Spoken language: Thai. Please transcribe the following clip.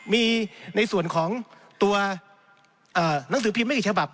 มีในส่วนของตัวหนังสือพิมพ์ไม่กี่ฉบับ